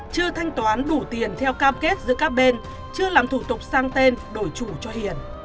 chưa thanh toán đủ tiền theo cam kết giữa các bên chưa làm thủ tục sang tên đổi chủ cho hiền